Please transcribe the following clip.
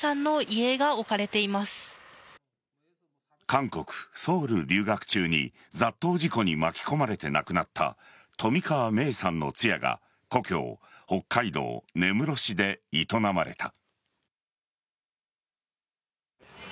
韓国・ソウルに留学中に雑踏事故に巻き込まれて亡くなった冨川芽生さんの通夜が故郷・北海道根室市で営まれた。